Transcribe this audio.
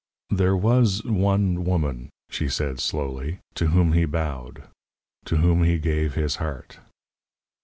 "There was one woman," she said, slowly, "to whom he bowed to whom he gave his heart."